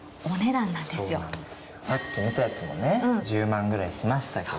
さっき見たやつもね１０万ぐらいしましたけど。